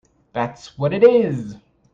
That’s what it is!